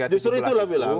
justru itulah bilang